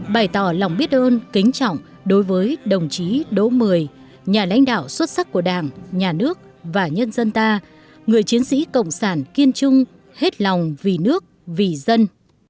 bày tỏ lòng biết ơn kính trọng đối với đồng chí đỗ mười nhà lãnh đạo xuất sắc của đảng nhà nước và nhân dân ta người chiến sĩ cộng sản kiên trung hết lòng vì nước vì dân